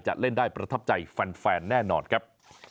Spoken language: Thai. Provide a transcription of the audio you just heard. เล่นได้ประทับใจแฟนแน่นอนครับ